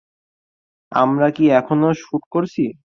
আমরা কি এখনও শুট করছি?